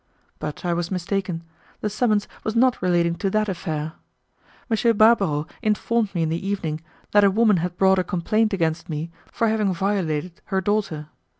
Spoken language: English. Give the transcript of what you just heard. But I was mistaken, the summons was not relating to that affair. M. Barbaro informed me in the evening that a woman had brought a complaint against me for having violated her daughter.